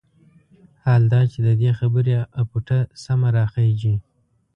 حال دا چې د دې خبرې اپوټه سمه راخېژي.